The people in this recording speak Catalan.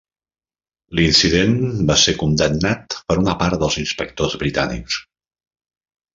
L'incident va ser condemnat per una part dels inspectors britànics.